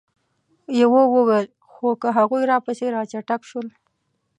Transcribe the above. يوه وويل: خو که هغوی راپسې را چټک شول؟